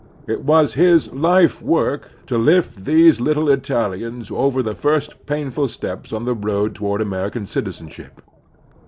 It was his life work to lift these little Italians over the first painful steps on the road toward American citizenship.